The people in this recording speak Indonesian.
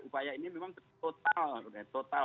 upaya ini memang total